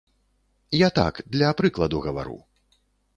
Я так, для прыкладу гавару.